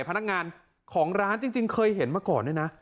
พนักงานของร้านจริงเคยเห็นมาก่อนด้วยนะ